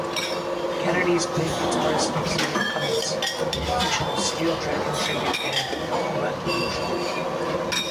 Catanese played guitarist Xander Cummins, of the fictional Steel Dragon tribute band Blood Pollution.